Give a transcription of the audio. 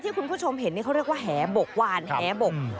คุณผู้ชมเห็นนี่เขาเรียกว่าแหบกวานแหบก